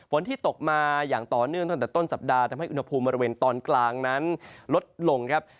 ที่ตกมาอย่างต่อเนื่องตั้งแต่ต้นสัปดาห์ทำให้อุณหภูมิบริเวณตอนกลางนั้นลดลงครับ